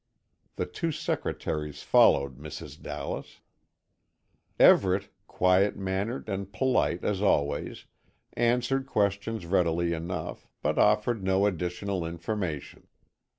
The two secretaries followed Mrs. Dallas. Everett, quiet mannered and polite, as always, answered questions readily enough, but offered no additional information.